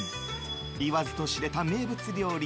言わずと知れた名物料理